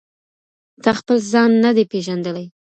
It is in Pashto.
تا خپل ځان نه دی پیژندلی.